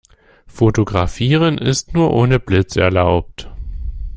Fotografieren ist nur ohne Blitz erlaubt.